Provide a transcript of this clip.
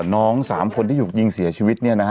น้อง๓คนที่หยุกยิงเสียชีวิตเนี่ยนะ